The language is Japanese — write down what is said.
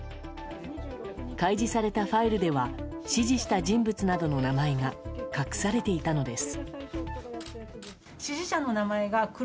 開示されたファイルでは指示した人物などの名前が隠されていたのです。